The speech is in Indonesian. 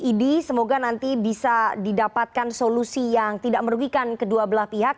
id semoga nanti bisa didapatkan solusi yang tidak merugikan kedua belah pihak